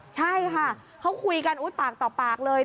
ใช่ค่ะเขาคุยกันปากต่อปากเลย